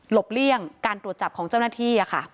เลี่ยงการตรวจจับของเจ้าหน้าที่